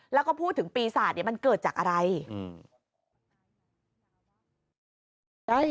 แล้วก็พูดถึงปีศาจมันเกิดจากอะไร